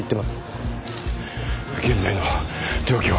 現在の状況は？